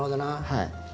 はい。